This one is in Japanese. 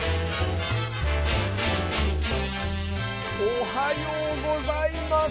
おはようございます！